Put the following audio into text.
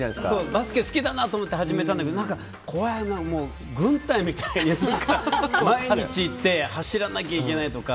バスケ好きだなと思って始めたんだけど何か軍隊みたいに毎日行って走らなきゃいけないとか。